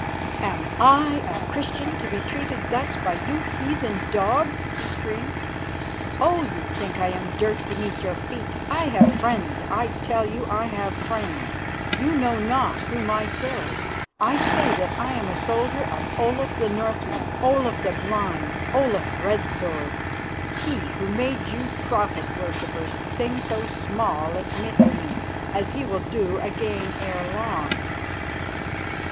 "Am I, a Christian, to be treated thus by you heathen dogs?" he screamed. "Oh, you think I am dirt beneath your feet. I have friends, I tell you I have friends. You know not whom I serve. I say that I am a soldier of Olaf the Northman, Olaf the Blind, Olaf Red Sword, he who made you prophet worshippers sing so small at Mitylene, as he will do again ere long."